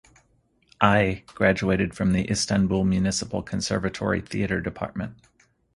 Ay graduated from the Istanbul Municipal Conservatory Theater Department.